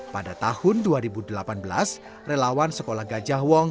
pada tahun dua ribu delapan belas relawan sekolah gajah wong